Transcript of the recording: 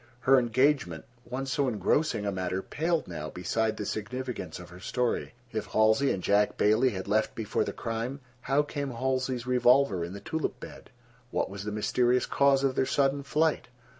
Her engagement, once so engrossing a matter, paled now beside the significance of her story. If Halsey and Jack Bailey had left before the crime, how came Halsey's revolver in the tulip bed? What was the mysterious cause of their sudden flight?